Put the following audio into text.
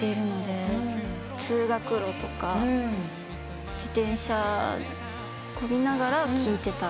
通学路とか自転車こぎながら聴いてた。